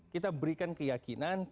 kita berikan keyakinan